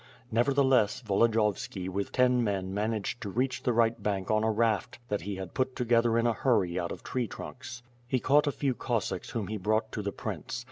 Nevertheless, Volodiyovski with ten men managed to reach the right bank on a raft that he had put together in a hurry out of tree trunks. He caught a few Cossacks whom he brought to the prince.